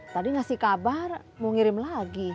tadi ngasih kabar mau ngirim lagi